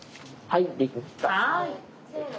はい。